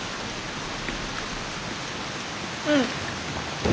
うん。